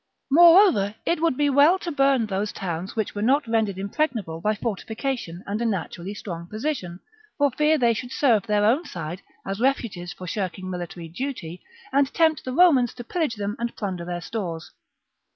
Moreover, it would be well to burn those towns which were not rendered impregnable by fortification and a naturally strong position, for fear they should serve their own side as refuges for shirking military duty, and tempt the Romans to pillage them and plunder their stores.